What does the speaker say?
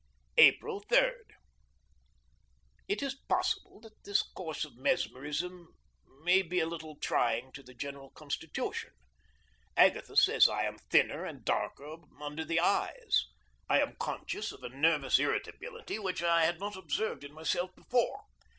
April 3. It is possible that this course of mesmerism may be a little trying to the general constitution. Agatha says that I am thinner and darker under the eyes. I am conscious of a nervous irritability which I had not observed in myself before.